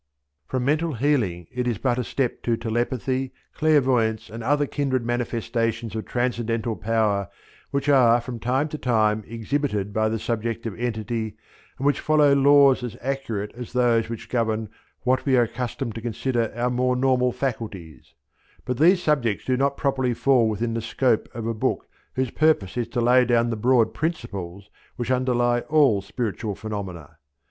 From mental healing it is but a step to telepathy, clairvoyance and other, kindred manifestations of transcendental power which, are from time to time exhibited by the subjective entity and which follow laws as accurate as those which govern what we are accustomed to consider our more normal faculties; but these subjects do not properly fall within the scope of a book whose purpose is to lay down the broad principles which underlie all spiritual phenomena.